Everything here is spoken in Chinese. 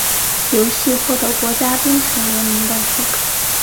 游戏获得国家冰球联盟的许可。